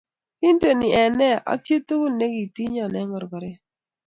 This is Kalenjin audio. kinteni enee ak chi tukul ne kitinyo eng korkoret